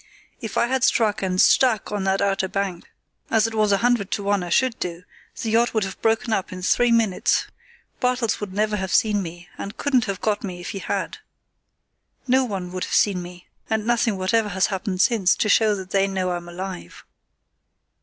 If I had struck and stuck on that outer bank, as it was a hundred to one I should do, the yacht would have broken up in three minutes. Bartels would never have seen me, and couldn't have got to me if he had. No one would have seen me. And nothing whatever has happened since to show that they know I'm alive."